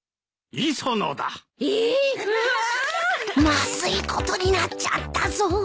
まずいことになっちゃったぞ